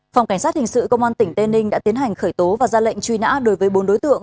phòng cảnh sát hình sự công an tỉnh tây ninh đã tiến hành khởi tố và ra lệnh truy nã đối với bốn đối tượng